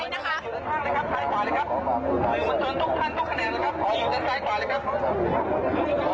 ทุกท่านทุกคะแนนนะครับขอลงแทนซ้ายก่อนแหละครับ